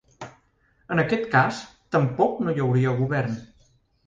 En aquest cas, tampoc no hi hauria govern.